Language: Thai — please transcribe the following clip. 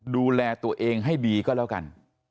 ดูแลตัวเองให้ดีก็แล้วกัน